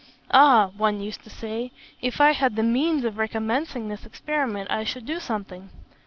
'Ah!' one used to say, 'if I had the means of recommencing this experiment, I should do something.'